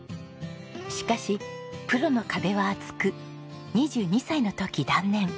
しかしプロの壁は厚く２２歳の時断念。